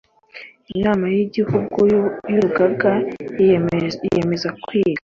Inama y Igihugu y Urugaga yiyemeza kwiga